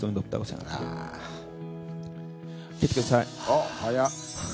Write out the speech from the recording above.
あっ早っ。